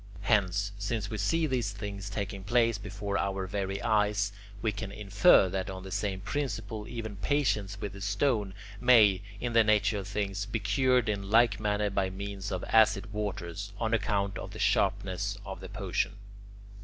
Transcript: Hence, since we see these things taking place before our very eyes, we can infer that on the same principle even patients with the stone may, in the nature of things, be cured in like manner by means of acid waters, on account of the sharpness of the potion.